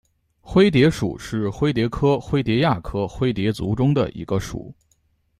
灰蝶属是灰蝶科灰蝶亚科灰蝶族中的一个属。